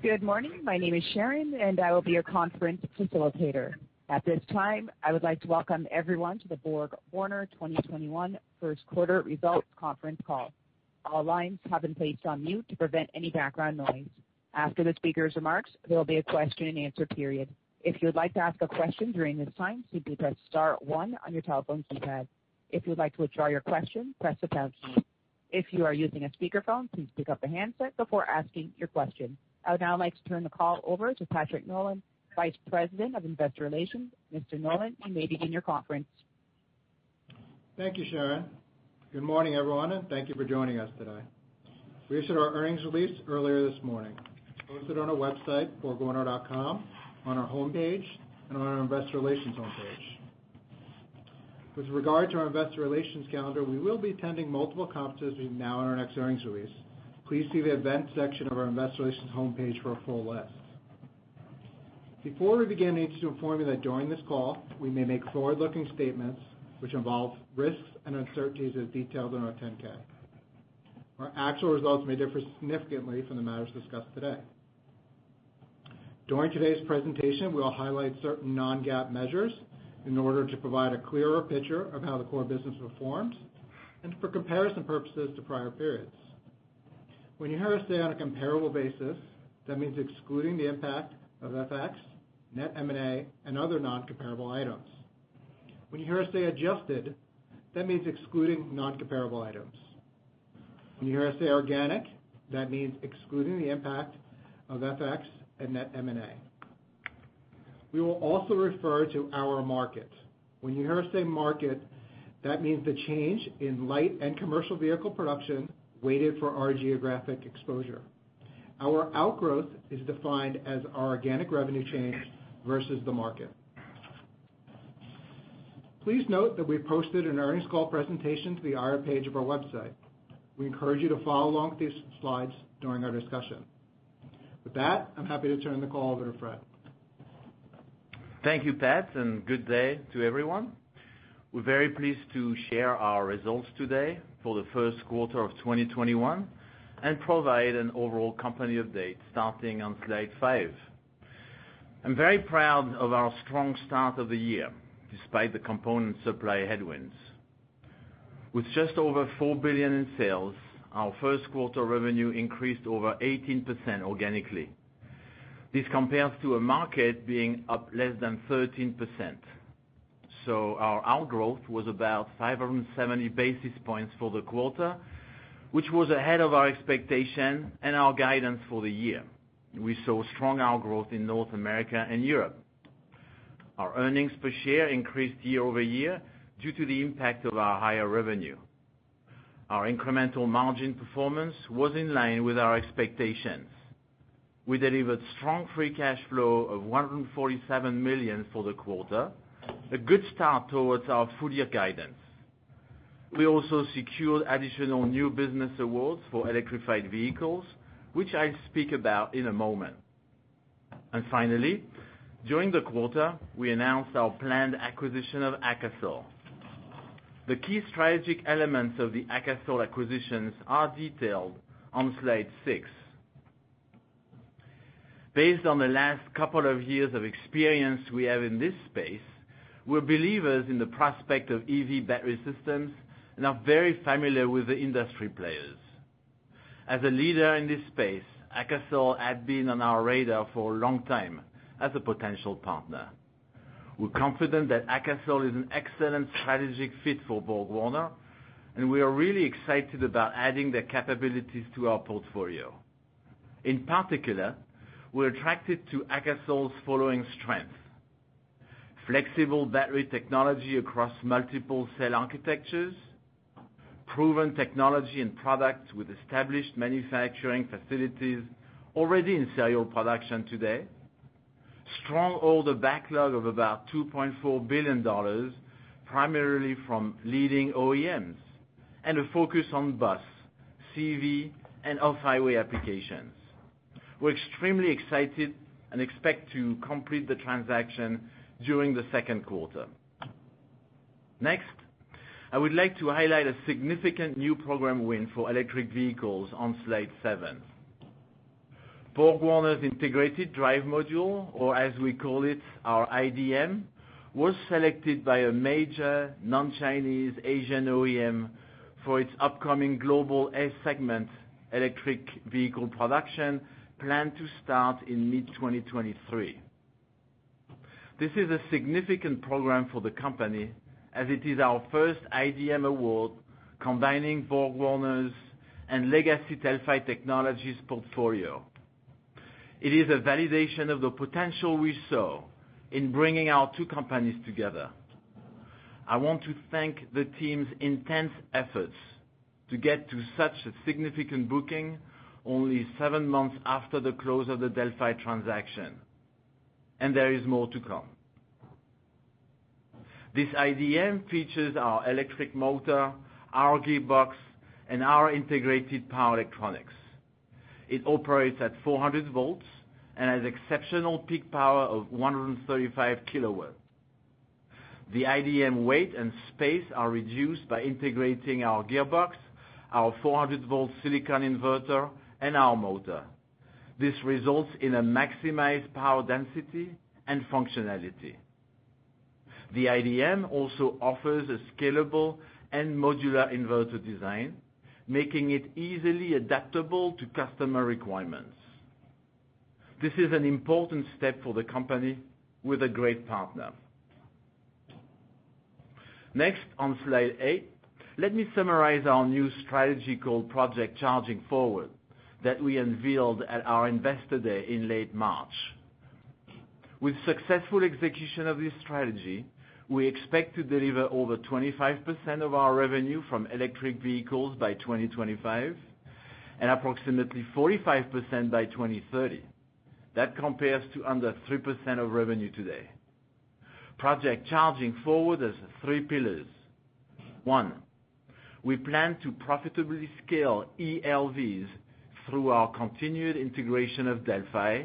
Good morning. My name is Sharon, and I will be your conference facilitator. At this time, I would like to welcome everyone to the BorgWarner 2021 First Quarter Results Conference Call. All lines have been placed on mute to prevent any background noise. After the speaker's remarks, there will be a question and answer period. If you would like to ask a question during this time, simply press star one on your telephone keypad. If you would like to withdraw your question, press the pound key. If you are using a speakerphone, please pick up the handset before asking your question. I would now like to turn the call over to Patrick Nolan, Vice President of Investor Relations. Mr. Nolan, you may begin your conference. Thank you, Sharon. Good morning, everyone, and thank you for joining us today. We issued our earnings release earlier this morning, posted on our website, borgwarner.com, on our homepage and on our investor relations homepage. With regard to our investor relations calendar, we will be attending multiple conferences between now and our next earnings release. Please see the events section of our investor relations homepage for a full list. Before we begin, I need to inform you that during this call, we may make forward-looking statements which involve risks and uncertainties as detailed in our 10-K. Our actual results may differ significantly from the matters discussed today. During today's presentation, we will highlight certain non-GAAP measures in order to provide a clearer picture of how the core business performs and for comparison purposes to prior periods. When you hear us say on a comparable basis, that means excluding the impact of FX, net M&A, and other non-comparable items. When you hear us say adjusted, that means excluding non-comparable items. When you hear us say organic, that means excluding the impact of FX and net M&A. We will also refer to our market. When you hear us say market, that means the change in light and commercial vehicle production weighted for our geographic exposure. Our outgrowth is defined as our organic revenue change versus the market. Please note that we posted an earnings call presentation to the IR page of our website. We encourage you to follow along with these slides during our discussion. With that, I'm happy to turn the call over to Fréd. Thank you, Patrick, and good day to everyone. We are very pleased to share our results today for the first quarter of 2021 and provide an overall company update starting on slide five. I am very proud of our strong start of the year, despite the component supply headwinds. With just over $4 billion in sales, our first quarter revenue increased over 18% organically. This compares to a market being up less than 13%. So our outgrowth was about 570 basis points for the quarter, which was ahead of our expectation and our guidance for the year. We saw strong outgrowth in North America and Europe. Our earnings per share increased year-over-year due to the impact of our higher revenue. Our incremental margin performance was in line with our expectations. We delivered strong free cash flow of $147 million for the quarter, a good start towards our full-year guidance. We also secured additional new business awards for electrified vehicles, which I'll speak about in a moment. Finally, during the quarter, we announced our planned acquisition of AKASOL. The key strategic elements of the AKASOL acquisitions are detailed on slide six. Based on the last couple of years of experience we have in this space, we're believers in the prospect of EV battery systems and are very familiar with the industry players. As a leader in this space, AKASOL had been on our radar for a long time as a potential partner. We're confident that AKASOL is an excellent strategic fit for BorgWarner, and we are really excited about adding their capabilities to our portfolio. In particular, we're attracted to AKASOL's following strengths: flexible battery technology across multiple cell architectures; proven technology and products with established manufacturing facilities already in serial production today; strong order backlog of about $2.4 billion, primarily from leading OEMs, and a focus on bus, CV, and off-highway applications. We're extremely excited and expect to complete the transaction during the second quarter. I would like to highlight a significant new program win for electric vehicles on slide seven. BorgWarner's Integrated Drive Module, or as we call it, our IDM, was selected by a major non-Chinese Asian OEM for its upcoming global A-segment electric vehicle production planned to start in mid 2023. This is a significant program for the company, as it is our first IDM award combining BorgWarner's and legacy Delphi Technologies portfolio. It is a validation of the potential we saw in bringing our two companies together. I want to thank the team's intense efforts to get to such a significant booking only seven months after the close of the Delphi transaction. There is more to come. This IDM features our electric motor, our gearbox, and our integrated power electronics. It operates at 400 volts and has exceptional peak power of 135 KW. The IDM weight and space are reduced by integrating our gearbox, our 400 V silicon carbide inverter, and our motor. This results in a maximized power density and functionality. The IDM also offers a scalable and modular inverter design, making it easily adaptable to customer requirements. This is an important step for the company with a great partner. Next, on slide eight, let me summarize our new strategy called Project CHARGING FORWARD that we unveiled at our Investor Day in late March. With successful execution of this strategy, we expect to deliver over 25% of our revenue from electric vehicles by 2025, and approximately 45% by 2030. That compares to under 3% of revenue today. Project CHARGING FORWARD has three pillars. One, we plan to profitably scale eLVs through our continued integration of Delphi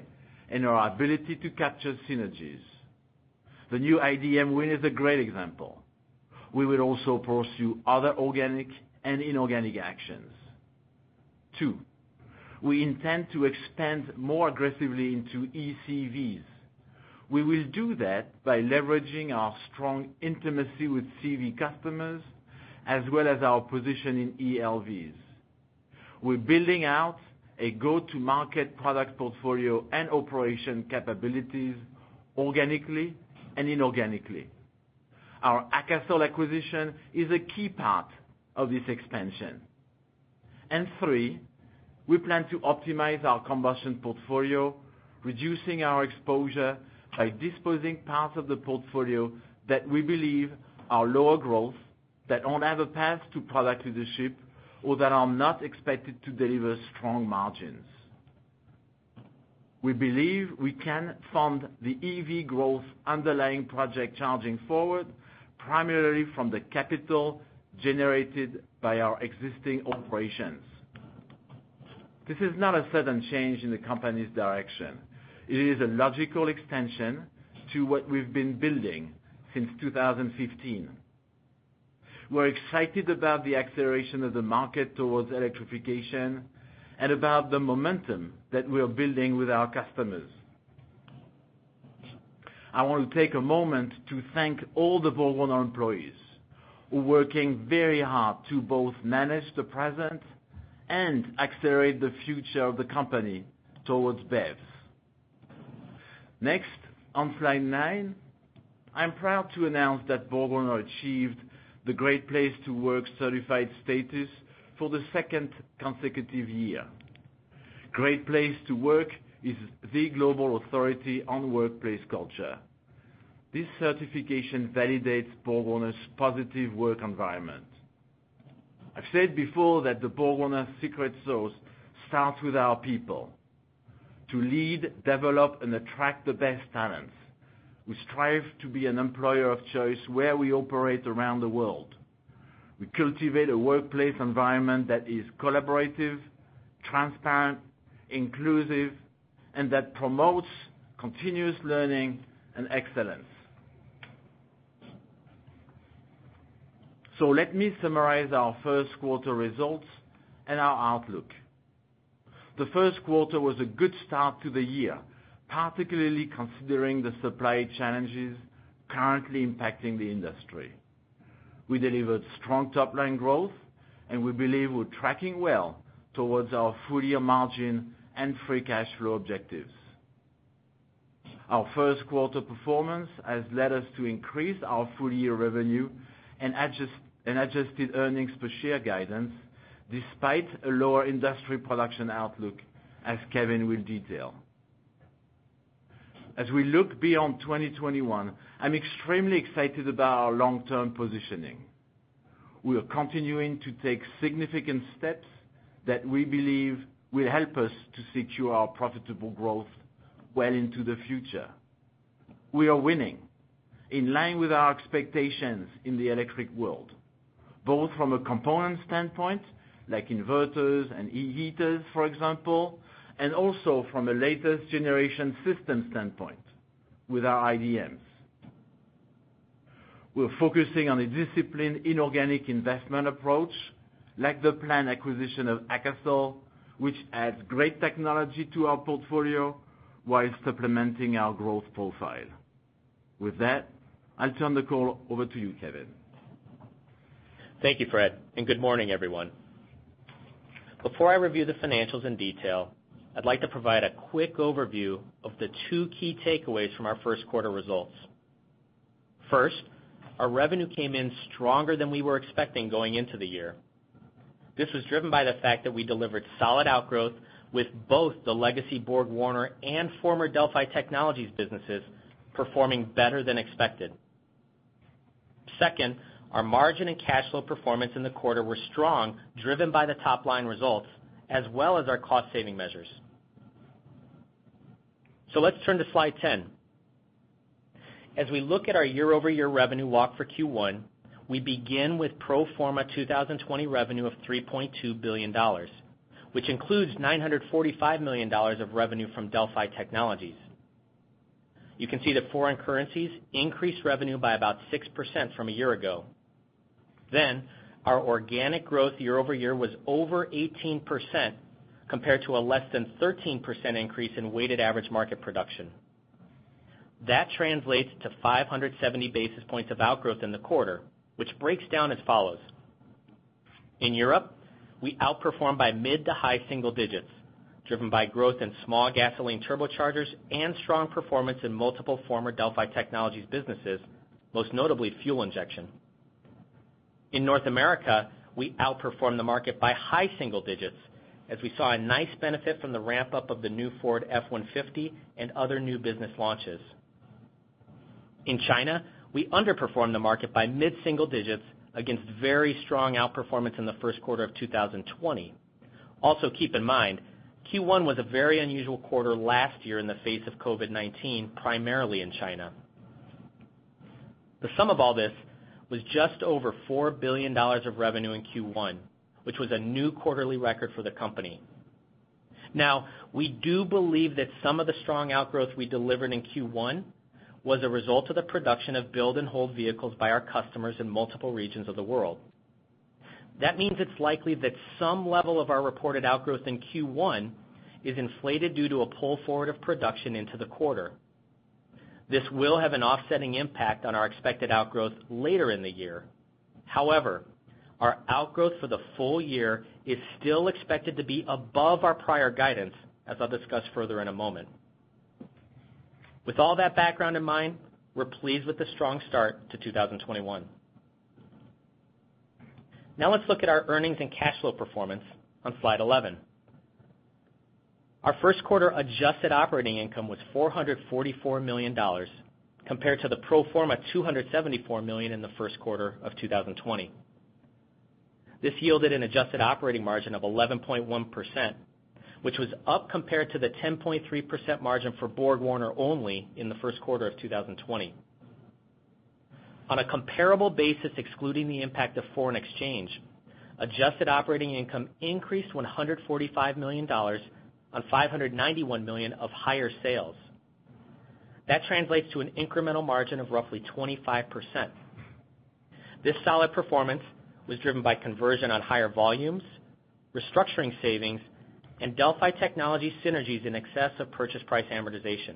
and our ability to capture synergies. The new IDM win is a great example. We will also pursue other organic and inorganic actions. Two, we intend to expand more aggressively into eCVs. We will do that by leveraging our strong intimacy with CV customers, as well as our position in eLVs. We're building out a go-to-market product portfolio and operation capabilities organically and inorganically. Our AKASOL acquisition is a key part of this expansion. Three, we plan to optimize our combustion portfolio, reducing our exposure by disposing parts of the portfolio that we believe are lower growth, that don't have a path to product leadership, or that are not expected to deliver strong margins. We believe we can fund the EV growth underlying Project CHARGING FORWARD, primarily from the capital generated by our existing operations. This is not a sudden change in the company's direction. It is a logical extension to what we've been building since 2015. We're excited about the acceleration of the market towards electrification and about the momentum that we're building with our customers. I want to take a moment to thank all the BorgWarner employees who are working very hard to both manage the present and accelerate the future of the company towards BEVs. Next, on slide nine, I'm proud to announce that BorgWarner achieved the Great Place to Work certified status for the second consecutive year. Great Place to Work is the global authority on workplace culture. This certification validates BorgWarner's positive work environment. I've said before that the BorgWarner secret sauce starts with our people to lead, develop, and attract the best talents. We strive to be an employer of choice where we operate around the world. We cultivate a workplace environment that is collaborative, transparent, inclusive, and that promotes continuous learning and excellence. Let me summarize our first quarter results and our outlook. The first quarter was a good start to the year, particularly considering the supply challenges currently impacting the industry. We delivered strong top-line growth, and we believe we're tracking well towards our full-year margin and free cash flow objectives. Our first quarter performance has led us to increase our full-year revenue and adjusted earnings per share guidance despite a lower industry production outlook, as Kevin will detail. As we look beyond 2021, I'm extremely excited about our long-term positioning. We are continuing to take significant steps that we believe will help us to secure our profitable growth well into the future. We are winning in line with our expectations in the electric world, both from a component standpoint like inverters and e-heaters, for example, and also from a latest generation system standpoint with our IDMs. We're focusing on a disciplined inorganic investment approach, like the planned acquisition of AKASOL, which adds great technology to our portfolio whilst supplementing our growth profile. With that, I'll turn the call over to you, Kevin. Thank you, Fréd, and good morning, everyone. Before I review the financials in detail, I'd like to provide a quick overview of the two key takeaways from our first quarter results. First, our revenue came in stronger than we were expecting going into the year. This was driven by the fact that we delivered solid outgrowth with both the legacy BorgWarner and former Delphi Technologies businesses performing better than expected. Second, our margin and cash flow performance in the quarter were strong, driven by the top-line results as well as our cost-saving measures. Let's turn to slide 10. As we look at our year-over-year revenue walk for Q1, we begin with pro forma 2020 revenue of $3.2 billion, which includes $945 million of revenue from Delphi Technologies. You can see that foreign currencies increased revenue by about 6% from a year ago. Our organic growth year-over-year was over 18%, compared to a less than 13% increase in weighted average market production. That translates to 570 basis points of outgrowth in the quarter, which breaks down as follows. In Europe, we outperformed by mid to high single digits, driven by growth in small gasoline turbochargers and strong performance in multiple former Delphi Technologies businesses, most notably fuel injection. In North America, we outperformed the market by high single digits as we saw a nice benefit from the ramp-up of the new Ford F-150 and other new business launches. In China, we underperformed the market by mid-single digits against very strong outperformance in the first quarter of 2020. Keep in mind, Q1 was a very unusual quarter last year in the face of COVID-19, primarily in China. The sum of all this was just over $4 billion of revenue in Q1, which was a new quarterly record for the company. We do believe that some of the strong outgrowth we delivered in Q1 was a result of the production of build and hold vehicles by our customers in multiple regions of the world. That means it's likely that some level of our reported outgrowth in Q1 is inflated due to a pull forward of production into the quarter. This will have an offsetting impact on our expected outgrowth later in the year. Our outgrowth for the full year is still expected to be above our prior guidance, as I'll discuss further in a moment. With all that background in mind, we're pleased with the strong start to 2021. Let's look at our earnings and cash flow performance on slide 11. Our first quarter adjusted operating income was $444 million compared to the pro forma $274 million in the first quarter of 2020. This yielded an adjusted operating margin of 11.1%, which was up compared to the 10.3% margin for BorgWarner only in the first quarter of 2020. On a comparable basis, excluding the impact of foreign exchange, adjusted operating income increased $145 million on $591 million of higher sales. That translates to an incremental margin of roughly 25%. This solid performance was driven by conversion on higher volumes, restructuring savings, and Delphi Technologies synergies in excess of purchase price amortization.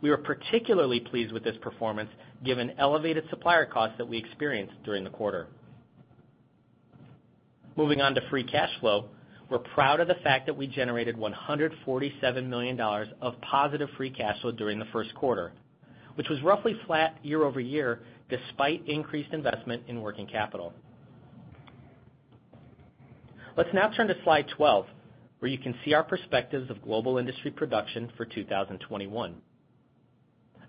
We were particularly pleased with this performance given elevated supplier costs that we experienced during the quarter. Moving on to free cash flow. We're proud of the fact that we generated $147 million of positive free cash flow during the first quarter, which was roughly flat year-over-year, despite increased investment in working capital. Let's now turn to slide 12, where you can see our perspectives of global industry production for 2021.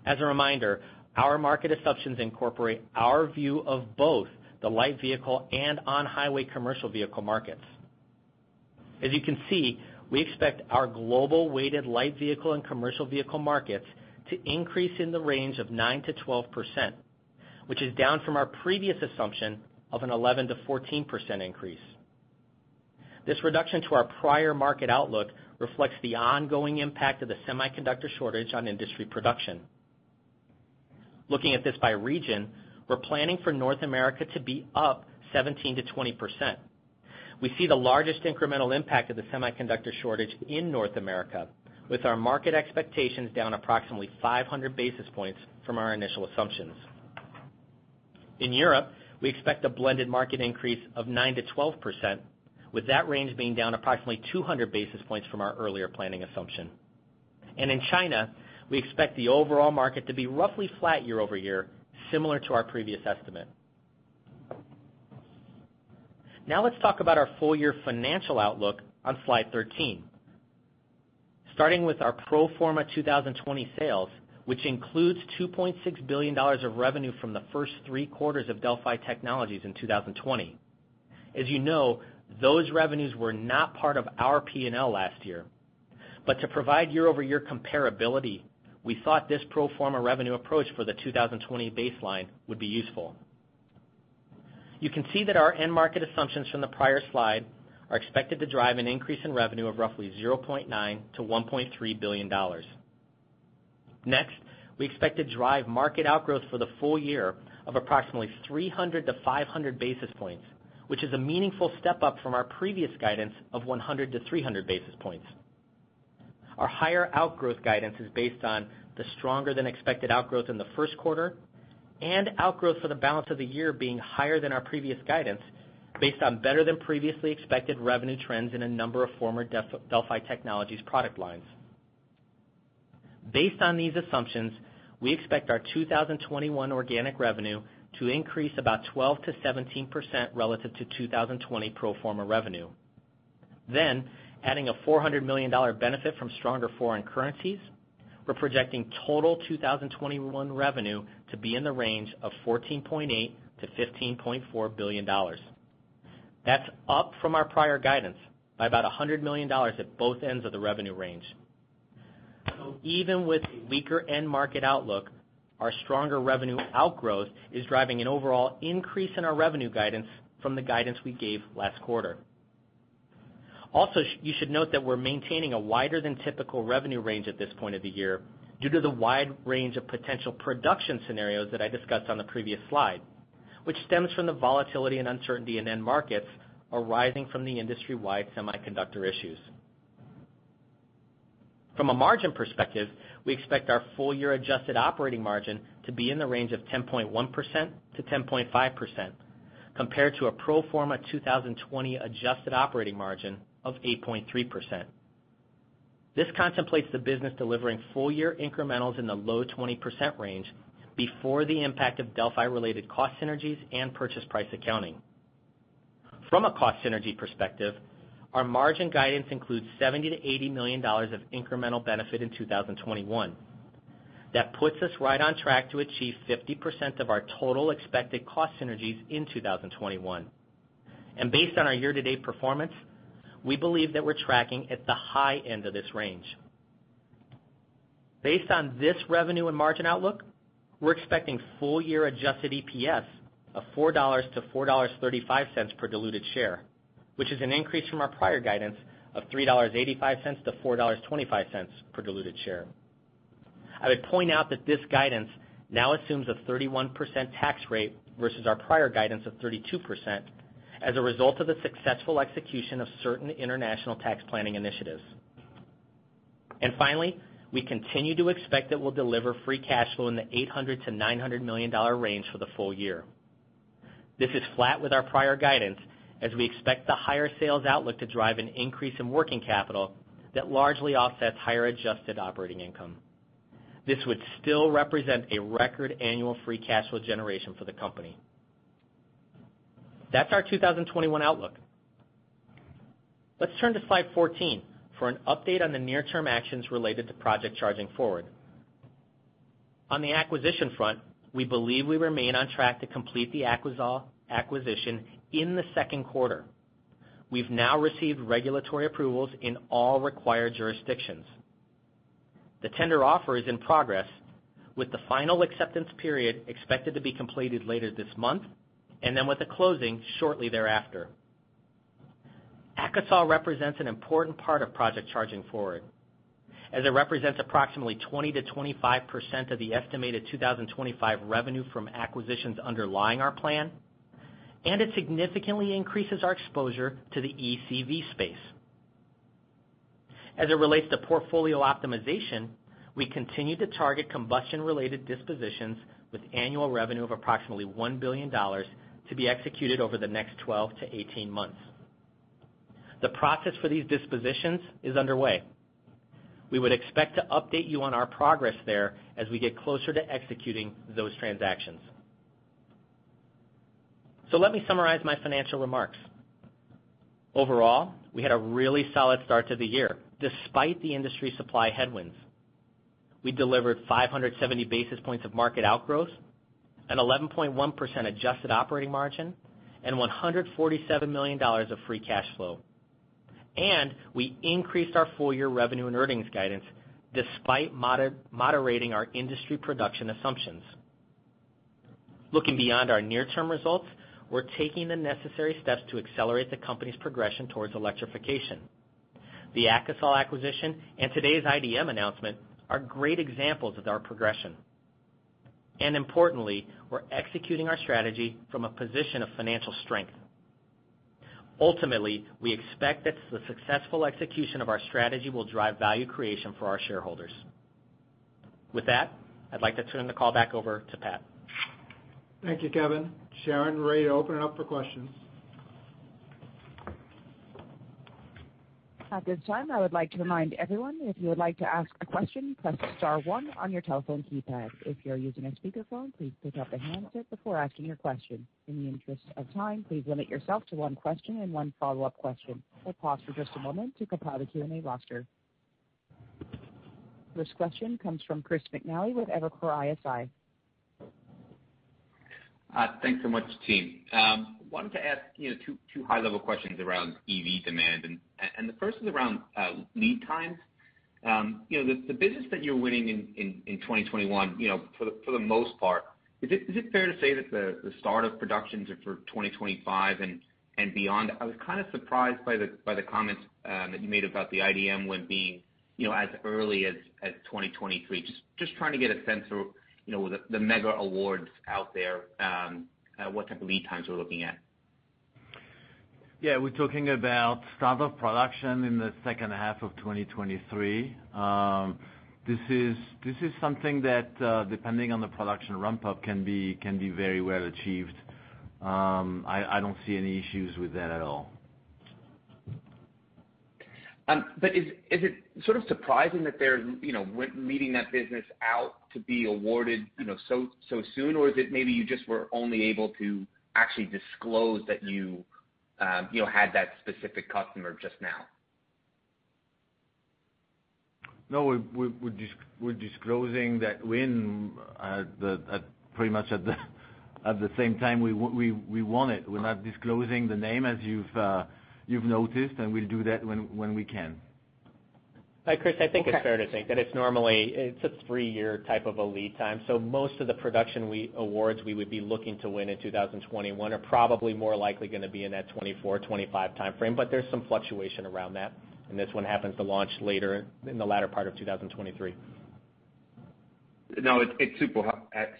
As a reminder, our market assumptions incorporate our view of both the light vehicle and on-highway commercial vehicle markets. As you can see, we expect our global weighted light vehicle and commercial vehicle markets to increase in the range of 9%-12%, which is down from our previous assumption of an 11%-14% increase. This reduction to our prior market outlook reflects the ongoing impact of the semiconductor shortage on industry production. Looking at this by region, we're planning for North America to be up 17%-20%. We see the largest incremental impact of the semiconductor shortage in North America, with our market expectations down approximately 500 basis points from our initial assumptions. In Europe, we expect a blended market increase of 9%-12%, with that range being down approximately 200 basis points from our earlier planning assumption. In China, we expect the overall market to be roughly flat year-over-year, similar to our previous estimate. Let's talk about our full year financial outlook on slide 13. Starting with our pro forma 2020 sales, which includes $2.6 billion of revenue from the first three quarters of Delphi Technologies in 2020. As you know, those revenues were not part of our P&L last year, but to provide year-over-year comparability, we thought this pro forma revenue approach for the 2020 baseline would be useful. You can see that our end market assumptions from the prior slide are expected to drive an increase in revenue of roughly $0.9 billion-$1.3 billion. We expect to drive market outgrowths for the full year of approximately 300 to 500 basis points, which is a meaningful step up from our previous guidance of 100 to 300 basis points. Our higher outgrowth guidance is based on the stronger than expected outgrowth in the first quarter and outgrowth for the balance of the year being higher than our previous guidance, based on better than previously expected revenue trends in a number of former Delphi Technologies product lines. Based on these assumptions, we expect our 2021 organic revenue to increase about 12%-17% relative to 2020 pro forma revenue. Adding a $400 million benefit from stronger foreign currencies, we're projecting total 2021 revenue to be in the range of $14.8 billion-$15.4 billion. That's up from our prior guidance by about $100 million at both ends of the revenue range. Even with weaker end market outlook, our stronger revenue outgrowth is driving an overall increase in our revenue guidance from the guidance we gave last quarter. You should note that we're maintaining a wider than typical revenue range at this point of the year due to the wide range of potential production scenarios that I discussed on the previous slide, which stems from the volatility and uncertainty in end markets arising from the industry-wide semiconductor issues. From a margin perspective, we expect our full-year adjusted operating margin to be in the range of 10.1%-10.5%, compared to a pro forma 2020 adjusted operating margin of 8.3%. This contemplates the business delivering full-year incrementals in the low 20% range before the impact of Delphi-related cost synergies and purchase price accounting. From a cost synergy perspective, our margin guidance includes $70 million-$80 million of incremental benefit in 2021. That puts us right on track to achieve 50% of our total expected cost synergies in 2021. Based on our year-to-date performance, we believe that we're tracking at the high end of this range. Based on this revenue and margin outlook, we're expecting full-year adjusted EPS of $4-$4.35 per diluted share, which is an increase from our prior guidance of $3.85-$4.25 per diluted share. I would point out that this guidance now assumes a 31% tax rate versus our prior guidance of 32% as a result of the successful execution of certain international tax planning initiatives. Finally, we continue to expect that we'll deliver free cash flow in the $800 million-$900 million range for the full year. This is flat with our prior guidance as we expect the higher sales outlook to drive an increase in working capital that largely offsets higher adjusted operating income. This would still represent a record annual free cash flow generation for the company. That's our 2021 outlook. Let's turn to slide 14 for an update on the near-term actions related to Project CHARGING FORWARD. On the acquisition front, we believe we remain on track to complete the AKASOL acquisition in the second quarter. We've now received regulatory approvals in all required jurisdictions. The tender offer is in progress with the final acceptance period expected to be completed later this month, and then with the closing shortly thereafter. AKASOL represents an important part of Project CHARGING FORWARD, as it represents approximately 20%-25% of the estimated 2025 revenue from acquisitions underlying our plan, and it significantly increases our exposure to the eCV space. As it relates to portfolio optimization, we continue to target combustion-related dispositions with annual revenue of approximately $1 billion to be executed over the next 12-18 months. The process for these dispositions is underway. We would expect to update you on our progress there as we get closer to executing those transactions. Let me summarize my financial remarks. Overall, we had a really solid start to the year, despite the industry supply headwinds. We delivered 570 basis points of market outgrowths, an 11.1% adjusted operating margin, and $147 million of free cash flow. We increased our full-year revenue and earnings guidance despite moderating our industry production assumptions. Looking beyond our near-term results, we're taking the necessary steps to accelerate the company's progression towards electrification. The AKASOL acquisition and today's IDM announcement are great examples of our progression. Importantly, we're executing our strategy from a position of financial strength. Ultimately, we expect that the successful execution of our strategy will drive value creation for our shareholders. With that, I'd like to turn the call back over to Pat. Thank you, Kevin. Sharon, we're ready to open it up for questions. At this time, I would like to remind everyone, if you would like to ask a question, press star one on your telephone keypad. If you're using a speakerphone, please pick up the handset before asking your question. In the interest of time, please limit yourself to one question and one follow-up question. We'll pause for just a moment to compile the Q&A roster. First question comes from Chris McNally with Evercore ISI. Thanks so much, team. Wanted to ask two high-level questions around EV demand, and the first is around lead times. The business that you're winning in 2021, for the most part, is it fair to say that the start of productions are for 2025 and beyond? I was kind of surprised by the comments that you made about the IDM win being as early as 2023. Just trying to get a sense of the mega awards out there, what type of lead times we're looking at. We're talking about start of production in the second half of 2023. This is something that depending on the production ramp-up can be very well achieved. I don't see any issues with that at all. Is it sort of surprising that they're leading that business out to be awarded so soon? Is it maybe you just were only able to actually disclose that you had that specific customer just now? No, we're disclosing that win pretty much at the. At the same time, we want it. We're not disclosing the name, as you've noticed, and we'll do that when we can. Chris, I think it's fair to think that it's normally a three-year type of a lead time. Most of the production awards we would be looking to win in 2021 are probably more likely going to be in that 2024, 2025 timeframe, but there's some fluctuation around that. This one happens to launch later in the latter part of 2023. No, it's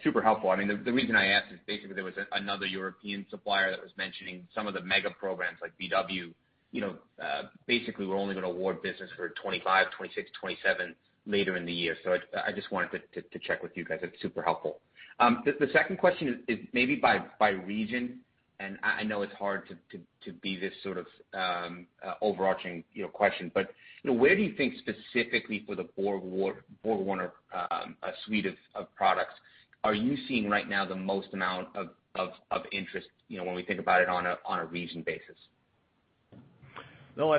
super helpful. The reason I ask is basically there was another European supplier that was mentioning some of the mega programs like VW. Basically, we're only going to award business for 2025, 2026, 2027, later in the year. I just wanted to check with you guys. It's super helpful. The second question is maybe by region, I know it's hard to be this sort of overarching question. Where do you think specifically for the BorgWarner suite of products are you seeing right now the most amount of interest when we think about it on a region basis? I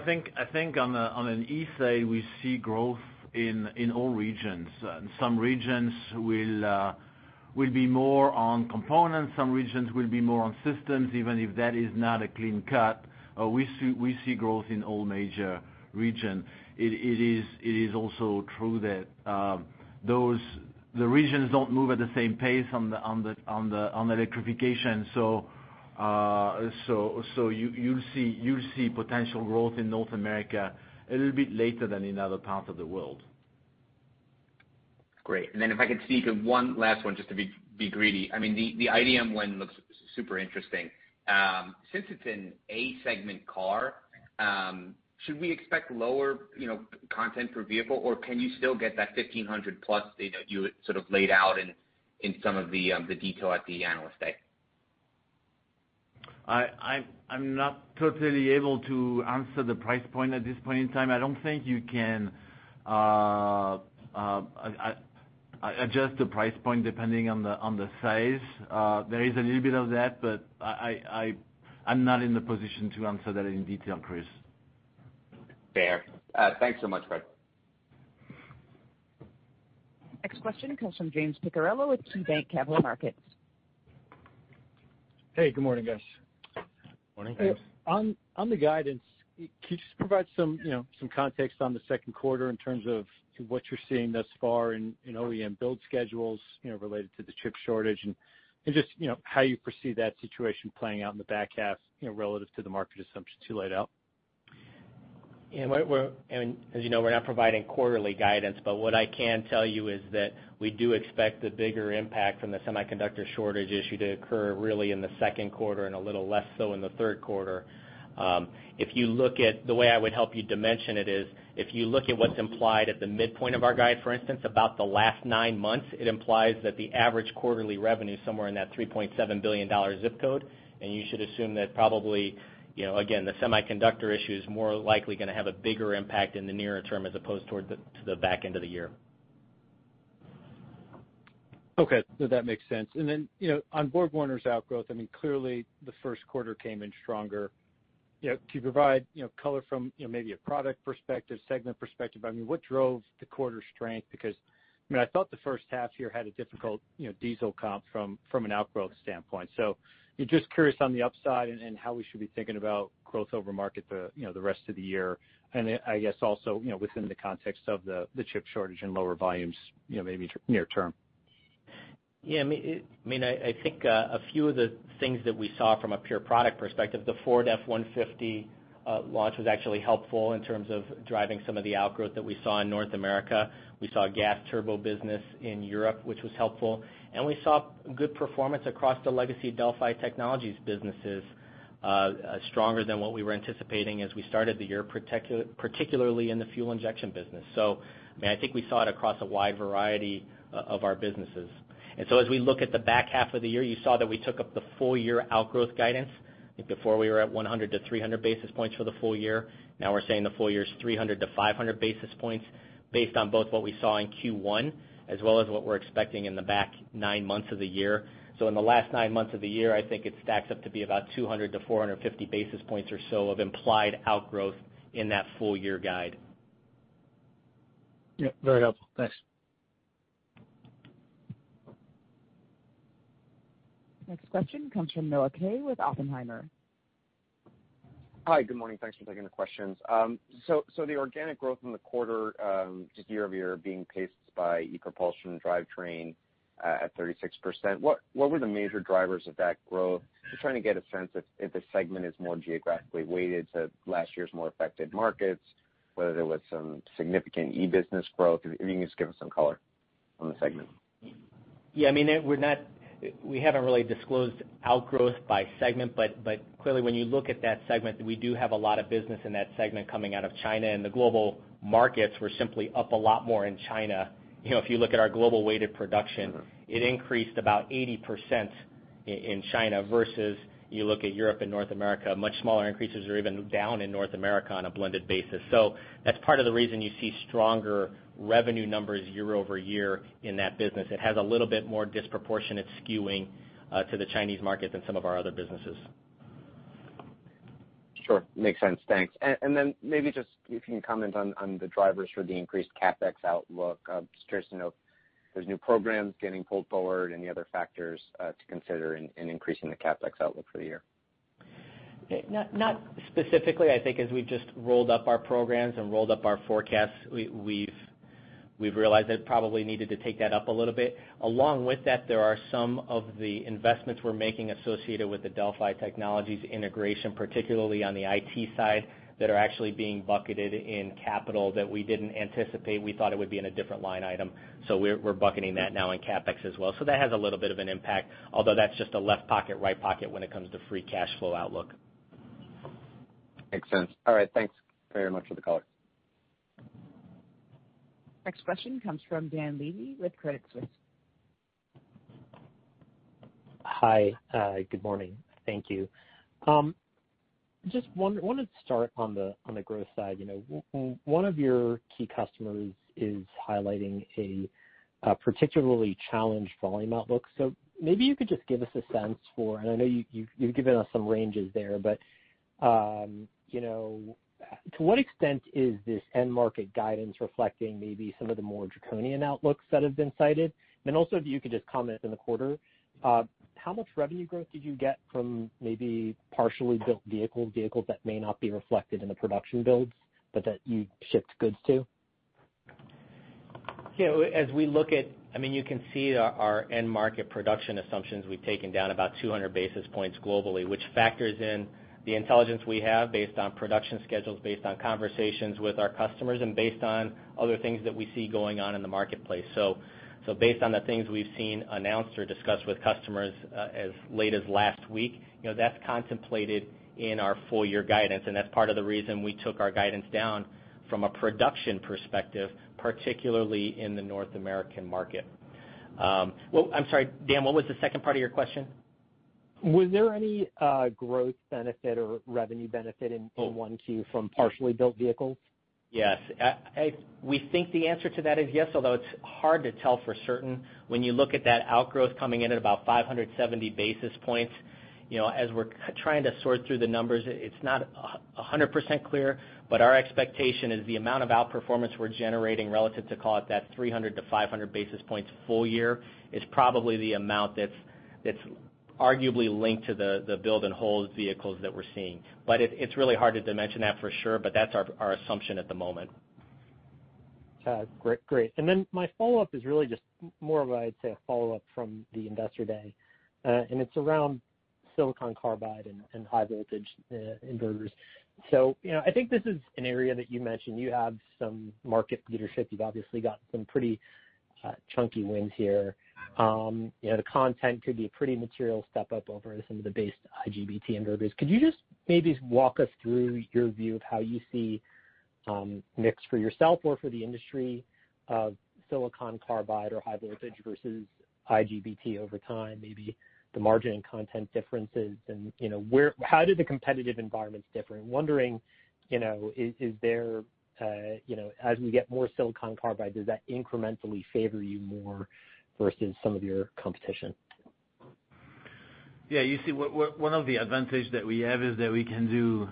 think on an EV, we see growth in all regions. Some regions will be more on components, some regions will be more on systems, even if that is not a clean cut. We see growth in all major regions. It is also true that the regions don't move at the same pace on electrification. You'll see potential growth in North America a little bit later than in other parts of the world. Great. If I could sneak in one last one, just to be greedy. The IDM one looks super interesting. Since it's an A-segment car, should we expect lower content per vehicle, or can you still get that $1,500 plus that you had sort of laid out in some of the detail at the Analyst Day? I'm not totally able to answer the price point at this point in time. I don't think you can adjust the price point depending on the size. There is a little bit of that, but I'm not in the position to answer that in detail, Chris. Fair. Thanks so much, Fréd. Next question comes from James Picariello with KeyBanc Capital Markets. Hey, good morning, guys. Morning, James. On the guidance, can you just provide some context on the second quarter in terms of what you're seeing thus far in OEM build schedules related to the chip shortage and just how you perceive that situation playing out in the back half relative to the market assumptions you laid out? As you know, we're not providing quarterly guidance, what I can tell you is that we do expect the bigger impact from the semiconductor shortage issue to occur really in the second quarter and a little less so in the third quarter. The way I would help you dimension it is, if you look at what's implied at the midpoint of our guide, for instance, about the last nine months, it implies that the average quarterly revenue is somewhere in that $3.7 billion ZIP code, and you should assume that probably, again, the semiconductor issue is more likely going to have a bigger impact in the nearer term as opposed to the back end of the year. No, that makes sense. On BorgWarner's outgrowth, clearly the first quarter came in stronger. Can you provide color from maybe a product perspective, segment perspective? What drove the quarter strength? I thought the first half year had a difficult diesel comp from an outgrowth standpoint. Just curious on the upside and how we should be thinking about growth over market the rest of the year. I guess also within the context of the chip shortage and lower volumes maybe near term. I think a few of the things that we saw from a pure product perspective, the Ford F-150 launch was actually helpful in terms of driving some of the outgrowth that we saw in North America. We saw gas turbo business in Europe, which was helpful, and we saw good performance across the legacy Delphi Technologies businesses, stronger than what we were anticipating as we started the year, particularly in the fuel injection business. I think we saw it across a wide variety of our businesses. As we look at the back half of the year, you saw that we took up the full year outgrowth guidance. I think before we were at 100 to 300 basis points for the full year. We're saying the full year is 300-500 basis points based on both what we saw in Q1 as well as what we're expecting in the back nine months of the year. In the last nine months of the year, I think it stacks up to be about 200-450 basis points or so of implied outgrowth in that full year guide. Yep, very helpful. Thanks. Next question comes from Noah Kaye with Oppenheimer. Hi, good morning. Thanks for taking the questions. The organic growth in the quarter just year-over-year being paced by e-Propulsion & Drivetrain at 36%, what were the major drivers of that growth? Just trying to get a sense if the segment is more geographically weighted to last year's more affected markets, whether there was some significant e-business growth. If you can just give us some color on the segment. Yeah, we haven't really disclosed outgrowth by segment. Clearly when you look at that segment, we do have a lot of business in that segment coming out of China. The global markets were simply up a lot more in China. If you look at our global weighted production, it increased about 80% in China versus you look at Europe and North America, much smaller increases or even down in North America on a blended basis. That's part of the reason you see stronger revenue numbers year-over-year in that business. It has a little bit more disproportionate skewing to the Chinese market than some of our other businesses. Sure. Makes sense. Thanks. Then maybe just if you can comment on the drivers for the increased CapEx outlook. Just curious to know if there's new programs getting pulled forward, any other factors to consider in increasing the CapEx outlook for the year? Not specifically. I think as we just rolled up our programs and rolled up our forecasts, we've realized that probably needed to take that up a little bit. Along with that, there are some of the investments we're making associated with the Delphi Technologies integration, particularly on the IT side, that are actually being bucketed in capital that we didn't anticipate. We thought it would be in a different line item. We're bucketing that now in CapEx as well. That has a little bit of an impact, although that's just a left pocket, right pocket when it comes to free cash flow outlook. Makes sense. All right, thanks very much for the color. Next question comes from Dan Levy with Credit Suisse. Hi. Good morning. Thank you. Just wanted to start on the growth side. One of your key customers is highlighting a particularly challenged volume outlook, so maybe you could just give us a sense for, and I know you've given us some ranges there, but to what extent is this end market guidance reflecting maybe some of the more draconian outlooks that have been cited? Also, if you could just comment in the quarter, how much revenue growth did you get from maybe partially built vehicles that may not be reflected in the production builds, but that you shipped goods to? You can see our end market production assumptions we've taken down about 200 basis points globally, which factors in the intelligence we have based on production schedules, based on conversations with our customers, and based on other things that we see going on in the marketplace. Based on the things we've seen announced or discussed with customers as late as last week, that's contemplated in our full-year guidance, and that's part of the reason we took our guidance down from a production perspective, particularly in the North American market. I'm sorry, Dan, what was the second part of your question? Was there any growth benefit or revenue benefit in Q1 from partially built vehicles? Yes. We think the answer to that is yes, although it's hard to tell for certain. You look at that outgrowth coming in at about 570 basis points, as we're trying to sort through the numbers, it's not 100% clear. Our expectation is the amount of outperformance we're generating relative to, call it that 300 to 500 basis points full year, is probably the amount that's arguably linked to the build and hold vehicles that we're seeing. It's really hard to dimension that for sure, but that's our assumption at the moment. Great. My follow-up is really just more of, I'd say, a follow-up from the Investor Day. It's around silicon carbide and high voltage inverters. I think this is an area that you mentioned you have some market leadership. You've obviously got some pretty chunky wins here. The content could be a pretty material step up over some of the base IGBT inverters. Could you just maybe walk us through your view of how you see mix for yourself or for the industry of silicon carbide or high voltage versus IGBT over time, maybe the margin and content differences and how do the competitive environments differ? I'm wondering, as we get more silicon carbide, does that incrementally favor you more versus some of your competition? Yeah, you see, one of the advantages that we have is that we can do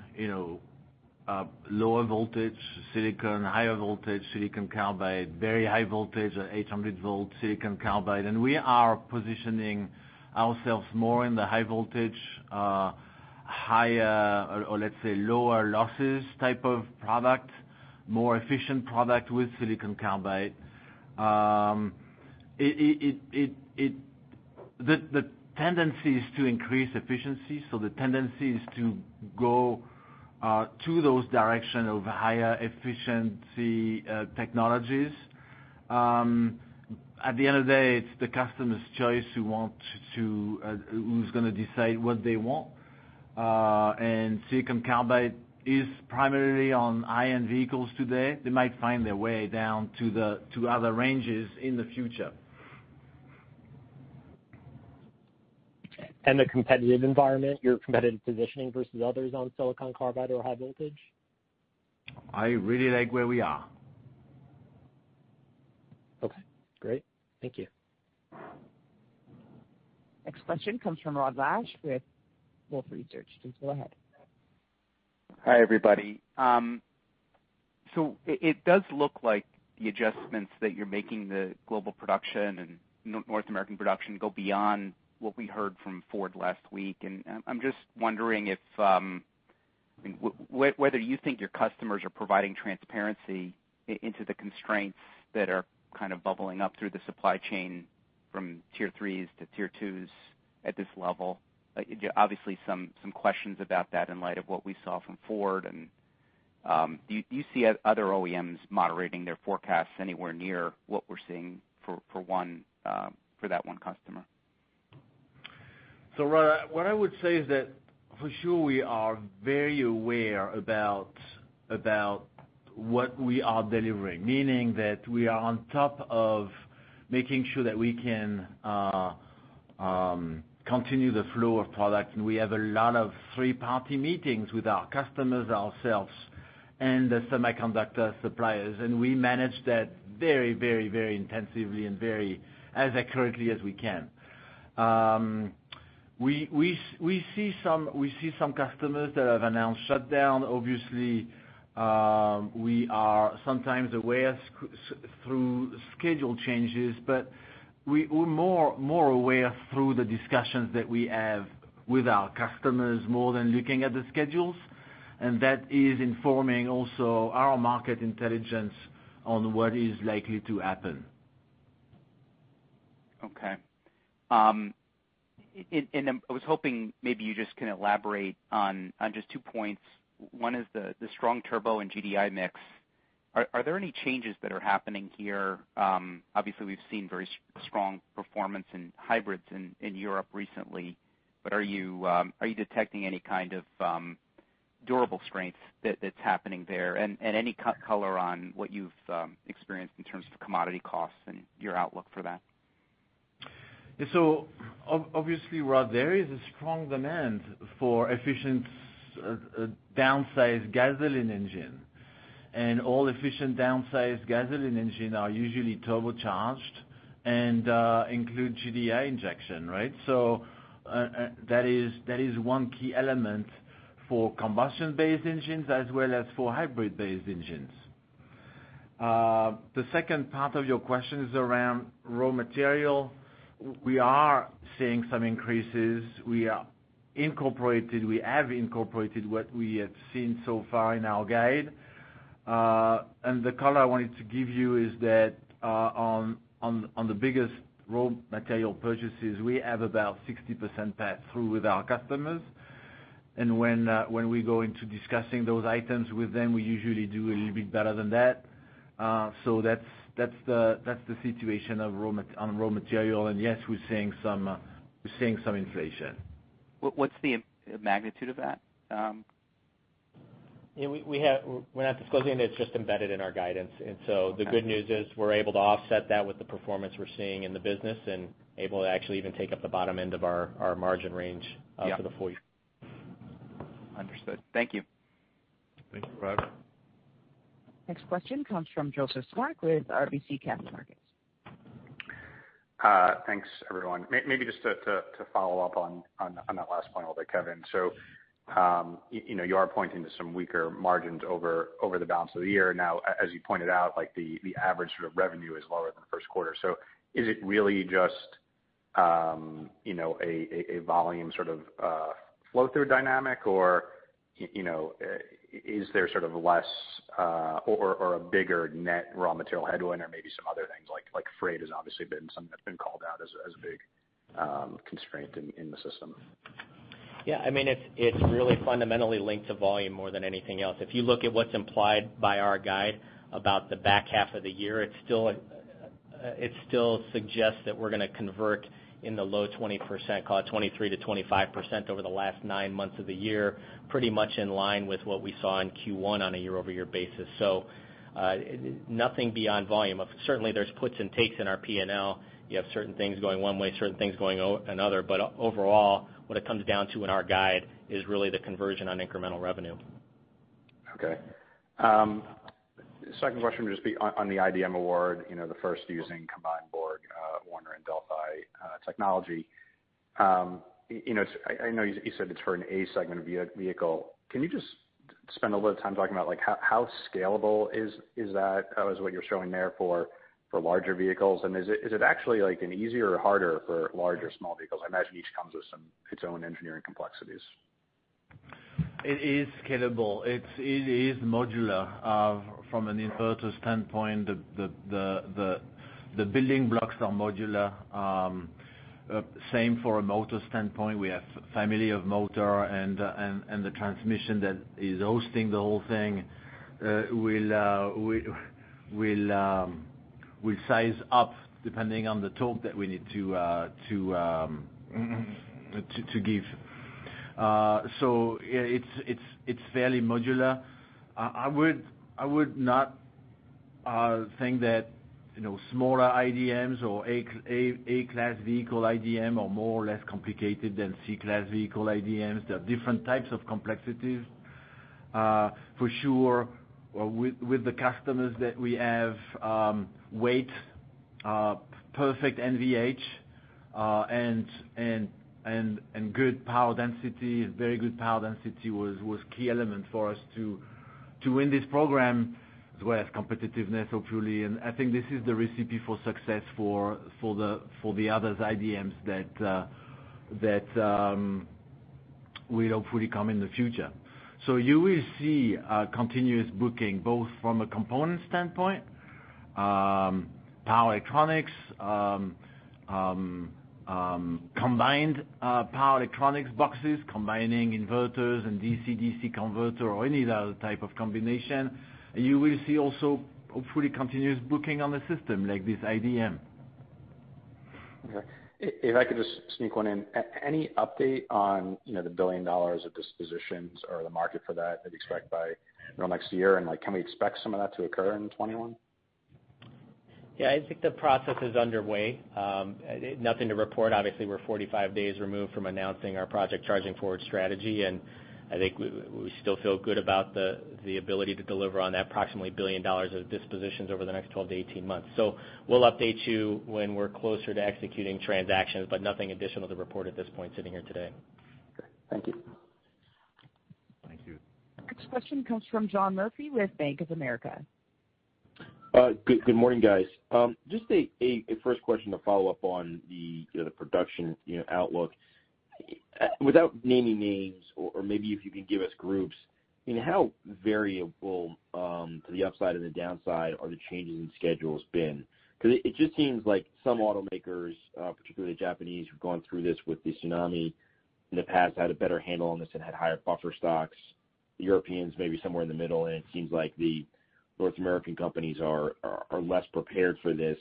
lower voltage silicon, higher voltage silicon carbide, very high voltage, 800 V silicon carbide. We are positioning ourselves more in the high voltage or let's say, lower losses type of product, more efficient product with silicon carbide. The tendency is to increase efficiency, so the tendency is to go to that direction of higher efficiency technologies. At the end of the day, it's the customer's choice who's going to decide what they want. Silicon carbide is primarily on EV vehicles today. They might find their way down to other ranges in the future. The competitive environment, your competitive positioning versus others on silicon carbide or high voltage? I really like where we are. Okay, great. Thank you. Next question comes from Rod Lache with Wolfe Research. Please go ahead. Hi, everybody. It does look like the adjustments that you're making, the global production and North American production go beyond what we heard from Ford last week. I'm just wondering whether you think your customers are providing transparency into the constraints that are kind of bubbling up through the supply chain from tier threes to tier twos at this level. Obviously, some questions about that in light of what we saw from Ford and do you see other OEMs moderating their forecasts anywhere near what we're seeing for that one customer? Rod, what I would say is that for sure we are very aware about what we are delivering, meaning that we are on top of making sure that we can continue the flow of product, and we have a lot of three-party meetings with our customers ourselves and the semiconductor suppliers, and we manage that very, very, very intensively and very as accurately as we can. We see some customers that have announced shutdown. Obviously, we are sometimes aware through schedule changes, but we are more aware through the discussions that we have with our customers, more than looking at the schedules. That is informing also our market intelligence on what is likely to happen. Okay. I was hoping maybe you just can elaborate on just two points. One is the strong turbo and GDI mix. Are there any changes that are happening here? Obviously, we've seen very strong performance in hybrids in Europe recently, but are you detecting any kind of durable strength that's happening there? Any color on what you've experienced in terms of commodity costs and your outlook for that? Obviously, Rod, there is a strong demand for efficient, downsized gasoline engine. All efficient downsized gasoline engine are usually turbocharged and include GDI injection, right? The second part of your question is around raw material. We are seeing some increases. We have incorporated what we have seen so far in our guide. The color I wanted to give you is that on the biggest raw material purchases, we have about 60% pass-through with our customers. When we go into discussing those items with them, we usually do a little bit better than that. That's the situation on raw material. Yes, we're seeing some inflation. What's the magnitude of that? We're not disclosing. It's just embedded in our guidance. The good news is we're able to offset that with the performance we're seeing in the business and able to actually even take up the bottom end of our margin range. Yeah For the full year. Understood. Thank you. Thank you, Rod. Next question comes from Joseph Spak with RBC Capital Markets. Thanks everyone. Maybe just to follow up on that last point a little bit, Kevin. You are pointing to some weaker margins over the balance of the year. Now, as you pointed out, the average sort of revenue is lower than the first quarter. Is it really just a volume sort of flow-through dynamic, or is there sort of less or a bigger net raw material headwind or maybe some other things like freight has obviously been something that's been called out as a big constraint in the system? Yeah. It's really fundamentally linked to volume more than anything else. If you look at what's implied by our guide about the back half of the year, it still suggests that we're going to convert in the low 20%, call it 23%-25% over the last nine months of the year, pretty much in line with what we saw in Q1 on a year-over-year basis. Nothing beyond volume. Certainly, there's puts and takes in our P&L. You have certain things going one way, certain things going another. Overall, what it comes down to in our guide is really the conversion on incremental revenue. Okay. Second question would just be on the IDM award, the first using combined BorgWarner and Delphi Technologies. I know you said it's for an A-segment vehicle. Can you just spend a little time talking about how scalable is that, as what you're showing there for larger vehicles? Is it actually easier or harder for large or small vehicles? I imagine each comes with its own engineering complexities. It is scalable. It is modular from an inverter standpoint. The building blocks are modular. Same for a motor standpoint. We have family of motor and the transmission that is hosting the whole thing will size up depending on the torque that we need to give. It's fairly modular. I would not think that smaller IDMs or A-class vehicle IDM are more or less complicated than C-class vehicle IDMs. There are different types of complexities. For sure, with the customers that we have, weight, perfect NVH, and very good power density was key element for us to win this program as well as competitiveness, hopefully. I think this is the recipe for success for the others IDMs that will hopefully come in the future. You will see continuous booking both from a component standpoint, power electronics, combined power electronics boxes, combining inverters and DC-DC converter or any other type of combination. You will see also, hopefully, continuous booking on the system like this IDM. Okay. If I could just sneak one in. Any update on the $1 billion of dispositions or the market for that that you expect by next year? Can we expect some of that to occur in 2021? I think the process is underway. Nothing to report. Obviously, we're 45 days removed from announcing our Project CHARGING FORWARD strategy, and I think we still feel good about the ability to deliver on that approximately $1 billion of dispositions over the next 12-18 months. We'll update you when we're closer to executing transactions, but nothing additional to report at this point, sitting here today. Okay. Thank you. Thank you. Next question comes from John Murphy with Bank of America. Good morning, guys. Just a first question to follow up on the production outlook. Without naming names or maybe if you could give us groups, how variable, to the upside or the downside, are the changes in schedules been? Because it just seems like some automakers, particularly the Japanese, who've gone through this with the tsunami in the past, had a better handle on this and had higher buffer stocks. The Europeans may be somewhere in the middle, and it seems like the North American companies are less prepared for this,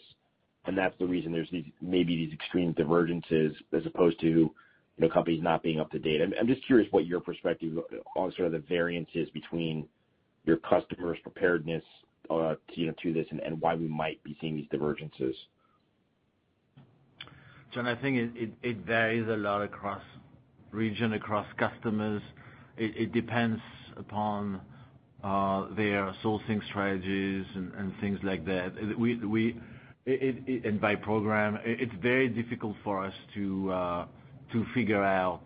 and that's the reason there's maybe these extreme divergences as opposed to companies not being up to date. I'm just curious what your perspective on sort of the variances between your customers' preparedness to this and why we might be seeing these divergences. John, I think it varies a lot across region, across customers. It depends upon their sourcing strategies and things like that. By program. It's very difficult for us to figure out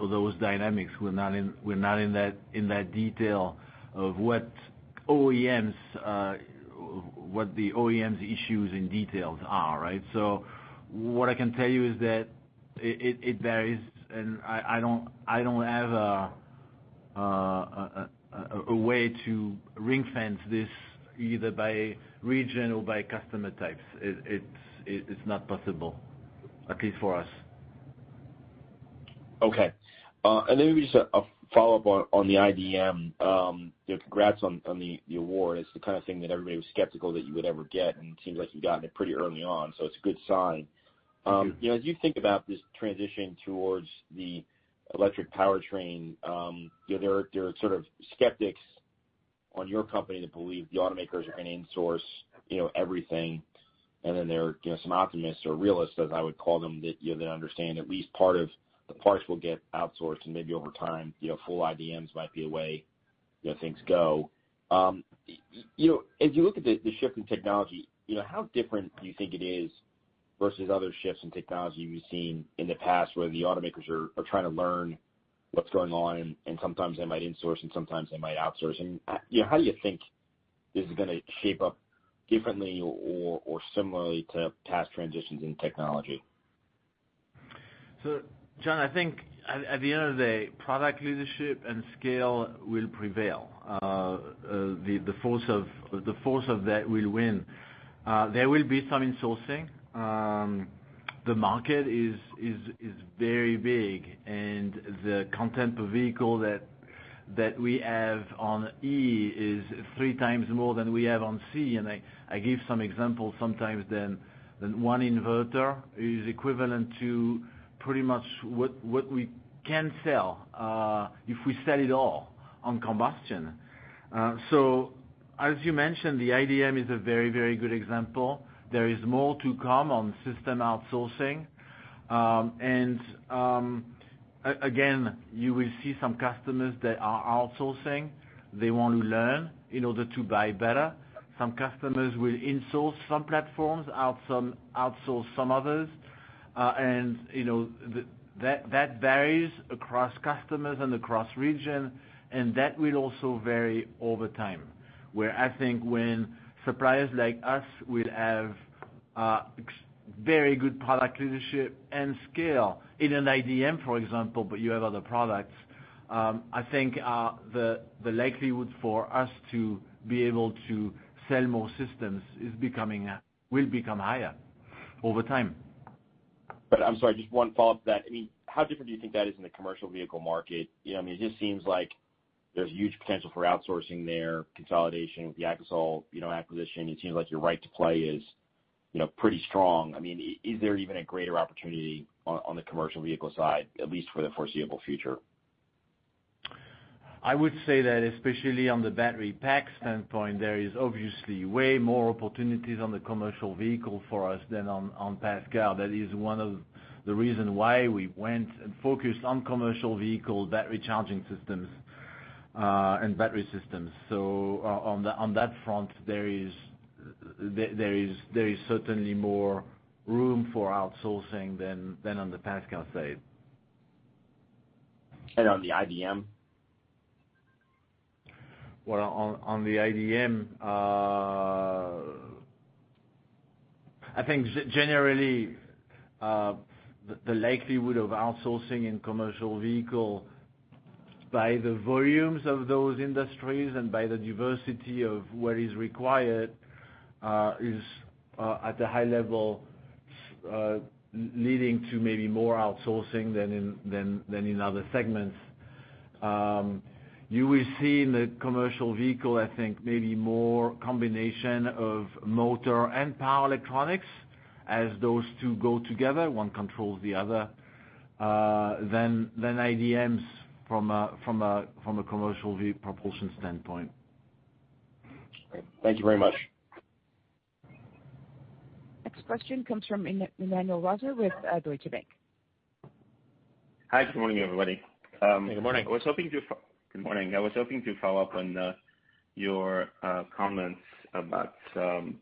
those dynamics. We're not in that detail of what the OEMs issues in details are, right? What I can tell you is that it varies, and I don't have a way to ring-fence this either by region or by customer types. It's not possible, at least for us. Okay. Maybe just a follow-up on the IDM. Congrats on the award. It's the kind of thing that everybody was skeptical that you would ever get. It seems like you've gotten it pretty early on. It's a good sign. Thank you. As you think about this transition towards the electric powertrain, there are sort of skeptics on your company that believe the automakers are going to insource everything, then there are some optimists or realists, as I would call them, that understand at least part of the parts will get outsourced and maybe over time, full IDMs might be a way things go. As you look at the shift in technology, how different do you think it is versus other shifts in technology we've seen in the past where the automakers are trying to learn what's going on, and sometimes they might insource and sometimes they might outsource? How do you think this is going to shape up differently or similarly to past transitions in technology? John, I think at the end of the day, product leadership and scale will prevail. The force of that will win. There will be some insourcing. The market is very big and the content per vehicle that we have on EV is 3x more than we have on C. I give some examples sometimes than one inverter is equivalent to pretty much what we can sell, if we sell it all on combustion. As you mentioned, the IDM is a very good example. There is more to come on system outsourcing. Again, you will see some customers that are outsourcing. They want to learn in order to buy better. Some customers will insource some platforms, outsource some others. That varies across customers and across region, and that will also vary over time. Where I think when suppliers like us will have very good product leadership and scale in an IDM, for example, but you have other products. I think the likelihood for us to be able to sell more systems will become higher over time. I'm sorry, just one follow-up to that. How different do you think that is in the commercial vehicle market? It just seems like there's huge potential for outsourcing there, consolidation with the AKASOL acquisition. It seems like your right to play is pretty strong. Is there even a greater opportunity on the commercial vehicle side, at least for the foreseeable future? I would say that, especially on the battery pack standpoint, there is obviously way more opportunities on the commercial vehicle for us than on passenger. That is one of the reason why we went and focused on commercial vehicle, battery charging systems, and battery systems. On that front, there is certainly more room for outsourcing than on the passenger side. On the IDM? Well, on the IDM, I think generally, the likelihood of outsourcing in commercial vehicle by the volumes of those industries and by the diversity of what is required, is at a high level, leading to maybe more outsourcing than in other segments. You will see in the commercial vehicle, I think maybe more combination of motor and power electronics, as those two go together, one controls the other, than IDMs from a commercial view propulsion standpoint. Great. Thank you very much. Next question comes from Emmanuel Rosner with Deutsche Bank. Hi, good morning, everybody. Good morning. Good morning. I was hoping to follow up on your comments about the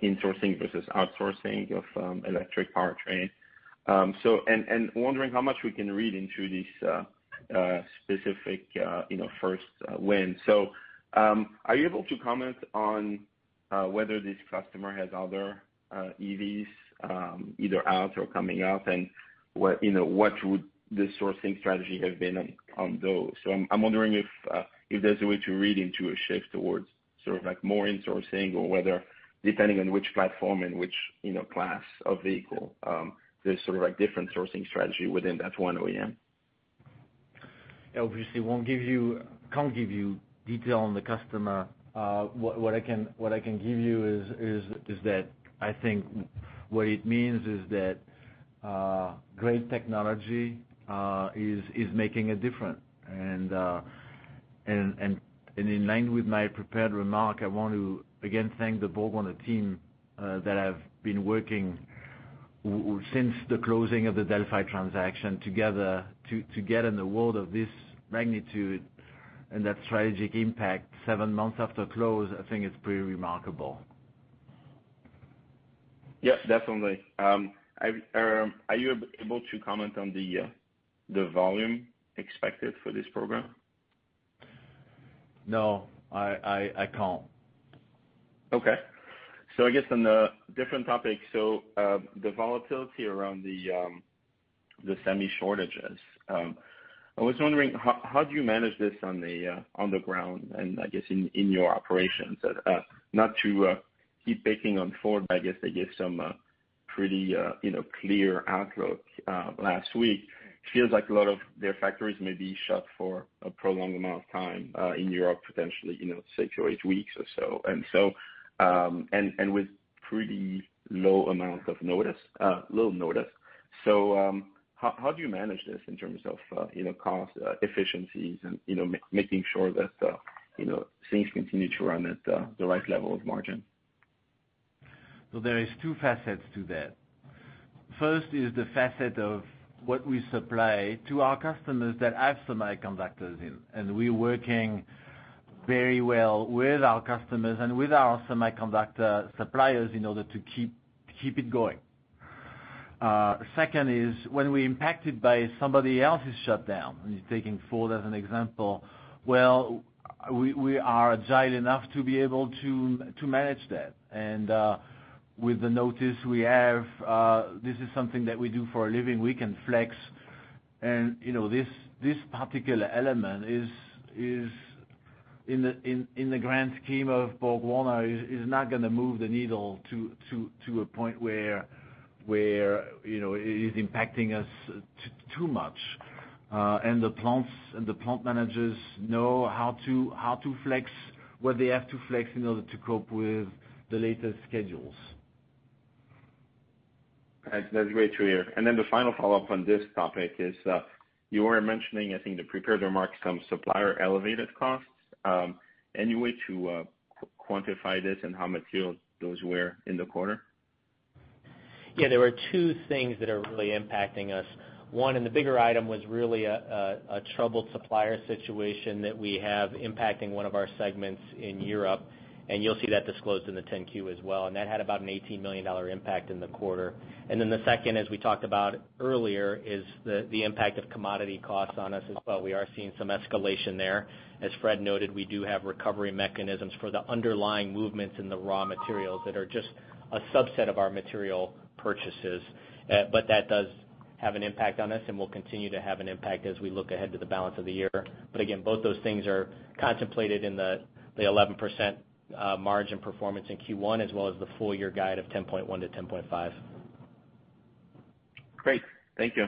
insourcing versus outsourcing of electric powertrain. Wondering how much we can read into this specific first win. Are you able to comment on whether this customer has other EVs, either out or coming out, and what would the sourcing strategy have been on those? I'm wondering if there's a way to read into a shift towards sort of more insourcing or whether, depending on which platform and which class of vehicle, there's sort of a different sourcing strategy within that one OEM. Obviously, can't give you detail on the customer. What I can give you is that I think what it means is that great technology is making a difference. In line with my prepared remark, I want to again thank the BorgWarner team that have been working since the closing of the Delphi transaction together to get an award of this magnitude and that strategic impact seven months after close, I think is pretty remarkable. Yeah, definitely. Are you able to comment on the volume expected for this program? No, I can't. Okay. I guess on a different topic, so the volatility around the semi shortages, I was wondering, how do you manage this on the ground, and I guess in your operations? Not to keep picking on Ford, but I guess they gave some pretty clear outlook last week. Feels like a lot of their factories may be shut for a prolonged amount of time in Europe, potentially, six or eight weeks or so, and with pretty low amount of notice, little notice. How do you manage this in terms of cost efficiencies and making sure that things continue to run at the right level of margin? There is two facets to that. First is the facet of what we supply to our customers that have semiconductors in, and we're working very well with our customers and with our semiconductor suppliers in order to keep it going. Second is, when we're impacted by somebody else's shutdown, and taking Ford as an example, well, we are agile enough to be able to manage that. With the notice we have, this is something that we do for a living. We can flex. This particular element is, in the grand scheme of BorgWarner, is not going to move the needle to a point where it is impacting us too much. The plants and the plant managers know how to flex what they have to flex in order to cope with the latest schedules. That's great to hear. Then the final follow-up on this topic is, you were mentioning, I think, the prepared remarks, some supplier elevated costs. Any way to quantify this and how material those were in the quarter? There were two things that are really impacting us. One, and the bigger item, was really a troubled supplier situation that we have impacting one of our segments in Europe, and you'll see that disclosed in the 10-Q as well. That had about an $18 million impact in the quarter. The second, as we talked about earlier, is the impact of commodity costs on us as well. We are seeing some escalation there. As Fréd noted, we do have recovery mechanisms for the underlying movements in the raw materials that are just a subset of our material purchases. That does have an impact on us and will continue to have an impact as we look ahead to the balance of the year. Again, both those things are contemplated in the 11% margin performance in Q1, as well as the full year guide of 10.1%-10.5%. Great. Thank you.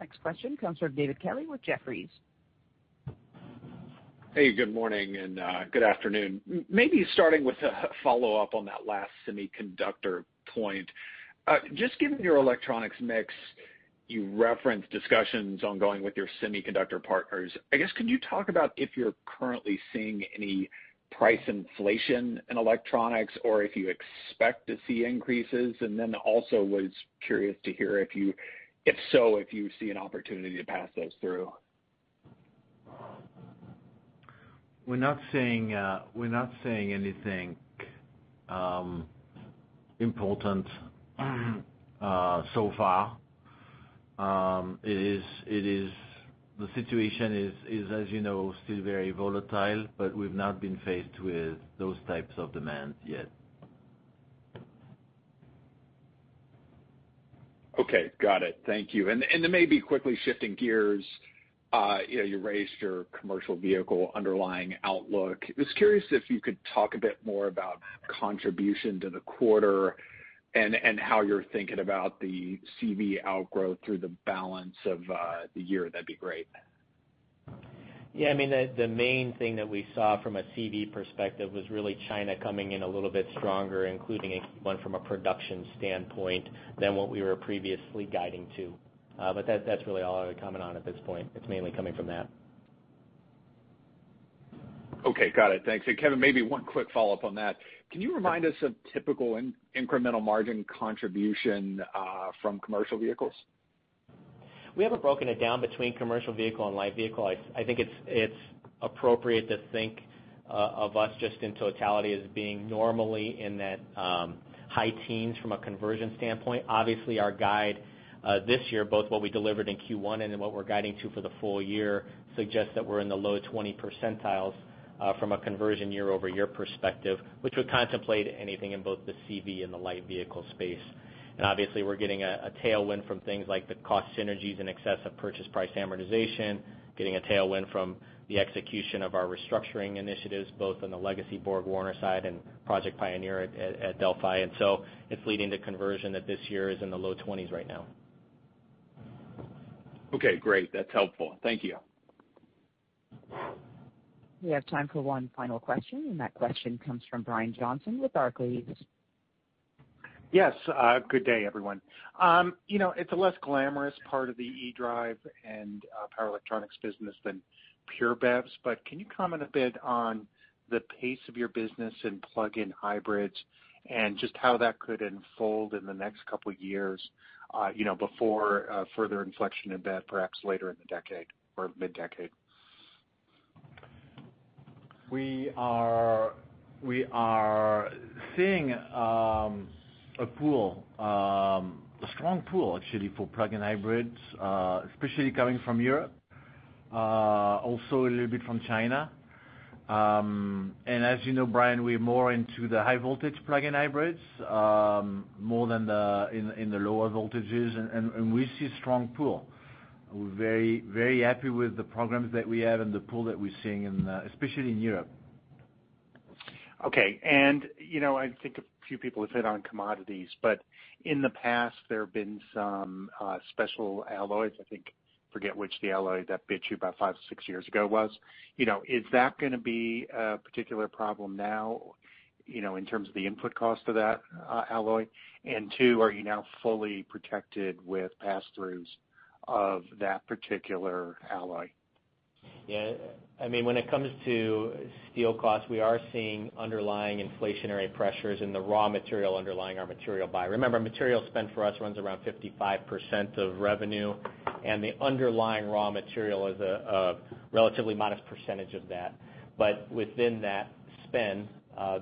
Next question comes from David Kelley with Jefferies. Hey, good morning and good afternoon. Maybe starting with a follow-up on that last semiconductor point. Just given your electronics mix, you referenced discussions ongoing with your semiconductor partners. I guess, can you talk about if you're currently seeing any price inflation in electronics or if you expect to see increases? Also was curious to hear if so, if you see an opportunity to pass those through. We're not seeing anything important so far. The situation is as you know, still very volatile, but we've not been faced with those types of demands yet. Okay. Got it. Thank you. Maybe quickly shifting gears, you raised your commercial vehicle underlying outlook. I was curious if you could talk a bit more about contribution to the quarter and how you're thinking about the CV outgrowth through the balance of the year, that'd be great. Yeah, the main thing that we saw from a CV perspective was really China coming in a little bit stronger, including one from a production standpoint than what we were previously guiding to. That's really all I would comment on at this point. It's mainly coming from that. Okay. Got it. Thanks. Kevin, maybe one quick follow-up on that. Can you remind us of typical incremental margin contribution from commercial vehicles? We haven't broken it down between commercial vehicle and light vehicle. I think it's appropriate to think of us just in totality as being normally in that high teens from a conversion standpoint. Our guide this year, both what we delivered in Q1 and then what we're guiding to for the full year, suggests that we're in the low 20 percentiles from a conversion year-over-year perspective, which would contemplate anything in both the CV and the light vehicle space. We're getting a tailwind from things like the cost synergies and excess of purchase price amortization, getting a tailwind from the execution of our restructuring initiatives, both on the legacy BorgWarner side and Project Pioneer at Delphi. It's leading to conversion that this year is in the low 20s right now. Okay, great. That's helpful. Thank you. We have time for one final question, and that question comes from Brian Johnson with Barclays. Yes, good day, everyone. It's a less glamorous part of the eDrive and power electronics business than pure BEVs, but can you comment a bit on the pace of your business in plug-in hybrids and just how that could unfold in the next couple of years, before a further inflection in that perhaps later in the decade or mid-decade? We are seeing a strong pull, actually, for plug-in hybrids, especially coming from Europe, also a little bit from China. As you know, Brian, we're more into the high voltage plug-in hybrids, more than in the lower voltages, and we see a strong pull. We're very happy with the programs that we have and the pull that we're seeing, especially in Europe. Okay. I think a few people have hit on commodities, but in the past, there have been some special alloys, I think, forget which the alloy that bit you about five or six years ago was. Is that going to be a particular problem now, in terms of the input cost of that alloy? Two, are you now fully protected with pass-throughs of that particular alloy? Yeah. When it comes to steel costs, we are seeing underlying inflationary pressures in the raw material underlying our material buy. Remember, material spend for us runs around 55% of revenue, and the underlying raw material is a relatively modest percentage of that. Within that spend,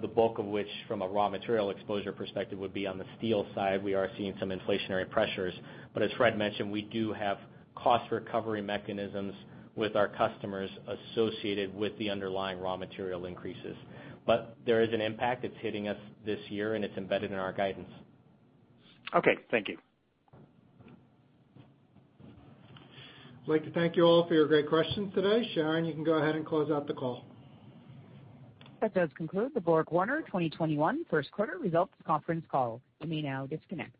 the bulk of which, from a raw material exposure perspective, would be on the steel side, we are seeing some inflationary pressures. As Fréd mentioned, we do have cost recovery mechanisms with our customers associated with the underlying raw material increases. There is an impact. It's hitting us this year, and it's embedded in our guidance. Okay, thank you. I'd like to thank you all for your great questions today. Sharon, you can go ahead and close out the call. That does conclude the BorgWarner 2021 first quarter results conference call. You may now disconnect.